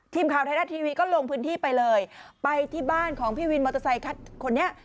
ทีมข่าวไทยรัฐทีวีก็ลงพื้นที่ไปเลยไปที่บ้านของพี่วินมอเตอร์ไซค์คนนี้